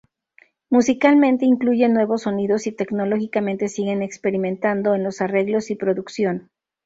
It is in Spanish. Musicalmente incluyen nuevos sonidos y tecnológicamente siguen experimentando en los arreglos y producción.